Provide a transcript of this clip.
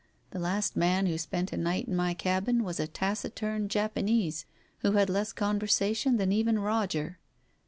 The last man who spent a night in my cabin was a taciturn Japanese who had less con versation than even Roger.